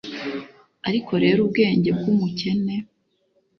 Ariko rero ubwenge bw umukene